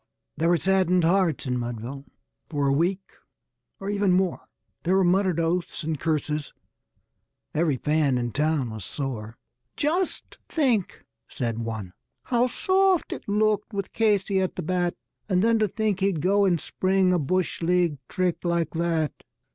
_ There were saddened hearts in Mudville for a week or even more; There were muttered oaths and curses every fan in town was sore. "Just think," said one, "how soft it looked with Casey at the bat! And then to think he'd go and spring a bush league trick like that."